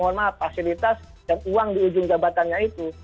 mohon maaf fasilitas dan uang di ujung jabatannya itu